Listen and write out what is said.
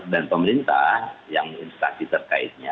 dan pemerintah yang instansi terkaitnya